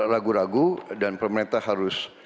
ragu ragu dan pemerintah harus